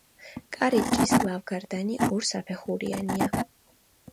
კარიბჭის ლავგარდანი ორსაფეხურიანია.